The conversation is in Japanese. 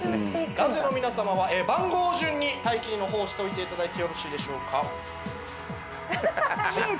男性の皆様は番号順に待機の方しておいていただいてよろしいでしょうか？